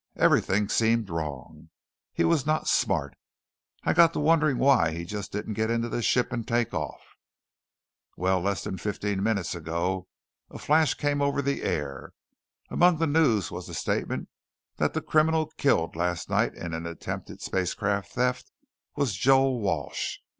Everything seemed wrong. He was not smart. I got to wondering why he just didn't get into the ship and take off. "Well, less than fifteen minutes ago a flash came over the air. Among the news was the statement that the criminal killed last night in attempted spacecraft theft was Joel Walsh.